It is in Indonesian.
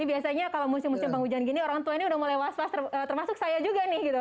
ini biasanya kalau musim penghujan gini orang tua ini sudah mulai waspas termasuk saya juga nih